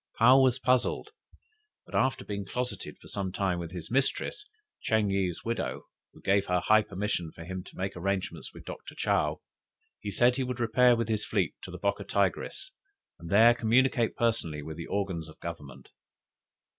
'" Paou was puzzled, but after being closeted for some time with his mistress, Ching yih's widow, who gave her high permission for him to make arrangements with Doctor Chow, he said he would repair with his fleet to the Bocca Tigris, and there communicate personally with the organs of Government.